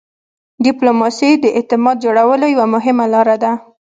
ډيپلوماسي د اعتماد جوړولو یوه مهمه لار ده.